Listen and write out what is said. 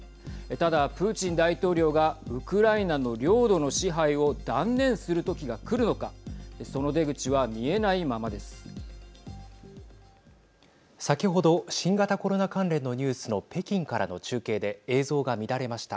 ただプーチン大統領がウクライナの領土の支配を断念する時が来るのか先ほど新型コロナ関連のニュースの北京からの中継で映像が乱れました。